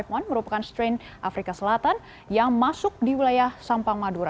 b satu tiga lima merupakan strain afrika selatan yang masuk di wilayah sampang madura